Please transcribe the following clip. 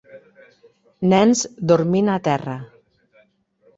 Nens dormint a terra.